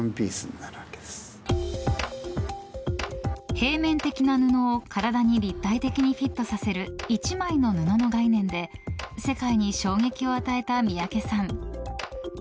平面的な布を体に立体的にフィットさせる一枚の布の概念で世界に衝撃を与えた三宅さん。